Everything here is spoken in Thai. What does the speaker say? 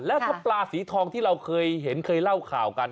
แล้วถ้าปลาสีทองที่เราเคยเห็นเคยเล่าข่าวกัน